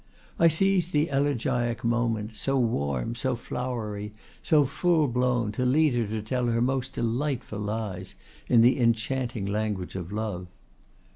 I seized the elegiac moment, so warm, so flowery, so full blown, to lead her to tell her most delightful lies, in the enchanting language of love.